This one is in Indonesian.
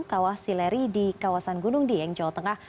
kawah sileri di kawasan gunung dieng jawa tengah